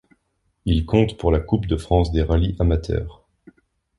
Il compte pour la coupe de France des rallyes amateur.